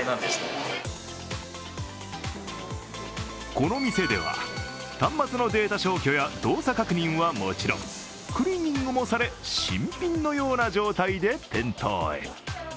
この店では、端末のデータ消去や動作確認はもちろんクリーニングもされ新品のような状態で店頭へ。